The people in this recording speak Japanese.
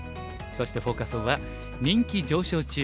そしてフォーカス・オンは「人気上昇中！